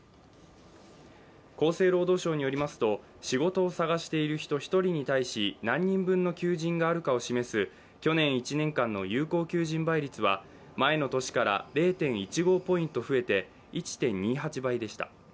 厚生労働省によりますと仕事を探している人１人に対し何人分の求人があるかを示す去年１年間の有効求人倍率は前の年から０．１５ポイント増えて１．２８倍でした。